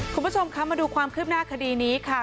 คุณผู้ชมคะมาดูความคืบหน้าคดีนี้ค่ะ